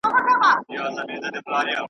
ته ښکلی یوسف یې لا په مصر کي بازار لرې .